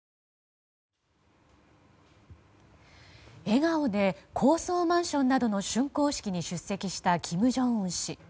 笑顔で高層マンションなどの竣工式に出席した金正恩氏。